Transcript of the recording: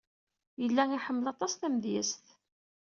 Yella iḥemmel aṭas tamedyazt.